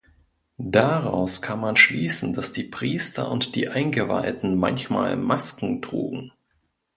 Daraus kann man schließen, dass die Priester und die Eingeweihten manchmal Masken trugen.